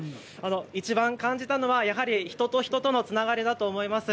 いちばん感じたのはやはり人と人とのつながりだと思います。